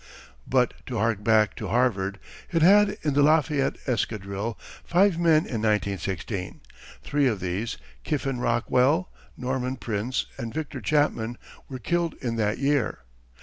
But to hark back to Harvard, it had in the Lafayette Escadrille five men in 1916; three of these, Kiffen Rockwell, Norman Prince, and Victor Chapman, were killed in that year.